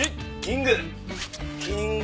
キング！